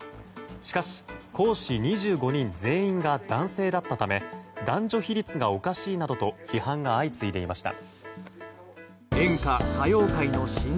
しかし、講師２５人全員が男性だったため男女比率がおかしいなどと批判が相次いでいました。